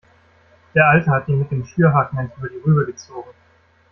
Der Alte hat ihm mit dem Schürhaken eins über die Rübe gezogen.